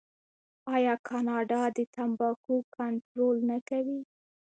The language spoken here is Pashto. آیا کاناډا د تمباکو کنټرول نه کوي؟